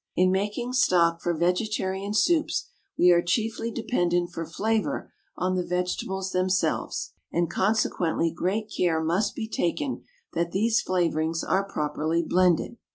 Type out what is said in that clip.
In making stock for vegetarian soups we are chiefly dependent for flavour on the vegetables themselves, and consequently great care must be taken that these flavourings are properly blended.